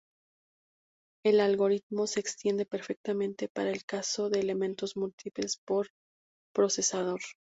El algoritmo se extiende perfectamente para el caso de elementos múltiples por procesador.